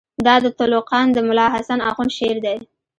دا د تُلُقان د ملاحسن آخوند شعر دئ.